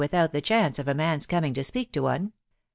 297 "without the chance of a man's coming to speak to one •